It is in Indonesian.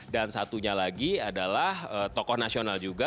dan satunya lagi adalah tokoh nasional juga